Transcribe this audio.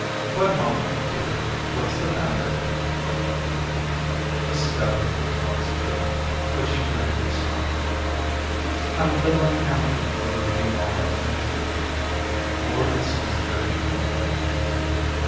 "Why, mamma, dear, what's the matter?" cried Beth. Mrs. Davenport's eyes filled, but she bravely smiled. "I'm a little unhappy over leaving all our friends, Beth. Florida seems very far away."